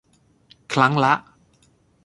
ครั้งละ